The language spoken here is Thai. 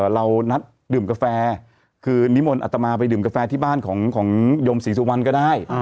เรานัดดื่มกาแฟคือนิมนต์อัตมาไปดื่มกาแฟที่บ้านของโยมศรีสุวรรณก็ได้